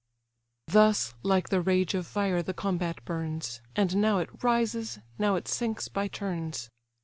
Thus like the rage of fire the combat burns, And now it rises, now it sinks by turns.